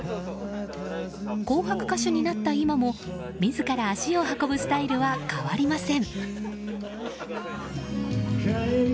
「紅白」歌手になった今も自ら足を運ぶスタイルは変わりません。